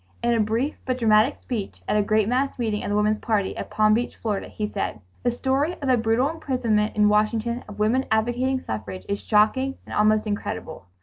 In a brief but dramatic speech at a great mass meeting of the Woman's Party, at Palm Beach, Florida, he said: "The story of the brutal imprisonment in Washington of women advocating suffrage is shocking and almost incredible.